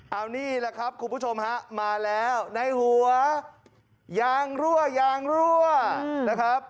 เอานี่แหละครับคุณผู้ชมครับมาแล้วในหัวยางรั่วนะครับ